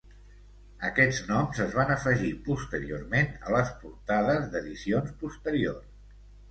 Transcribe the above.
Aquests noms es van afegir posteriorment a les portades d"edicions posteriors.